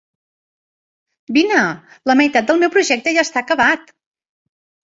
Vine, la meitat del meu projecte ja està acabat!